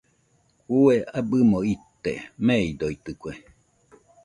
Kue abɨmo ite meidoitɨkue.